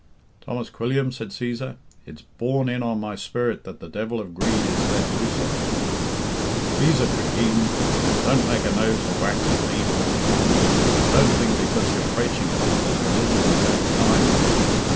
"Thomas Quilliam," said Cæsar, "it's borne in on my spirit that the devil of greed is let loose on you." "Cæsar Cregeen, don't make a nose of wax of me," bawled Tom, "and don't think because you're praiching a bit that religion is going to die with you.